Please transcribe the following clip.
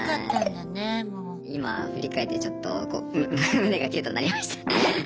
今振り返ってちょっと胸がキュッとなりました。